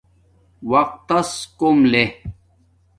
وقت تس کوم لے